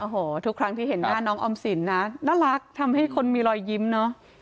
โอ้โหทุกครั้งที่เห็นหน้าน้องออมสินนะน่ารักทำให้คนมีรอยยิ้มเนอะ